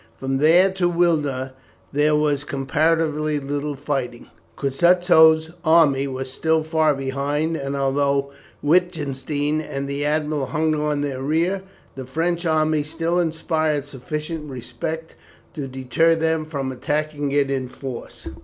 From there to Wilna there was comparatively little fighting. Kutusow's army was still far behind, and although Wittgenstein and the Admiral hung on their rear, the French army still inspired sufficient respect to deter them from attacking it in force.